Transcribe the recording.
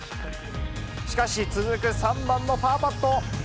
しかし、続く３番のパーパット。